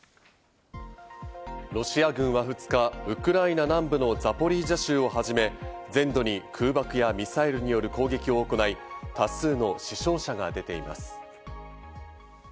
ロシア軍は２日、ウクライナ南部のザポリージャ州をはじめ、全土に空爆やミサイルによる攻撃を行い、多数の死傷者が出ています。